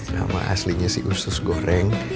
nama aslinya sih usus goreng